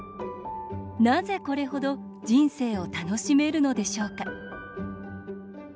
なぜ、これ程人生を楽しめるのでしょうか。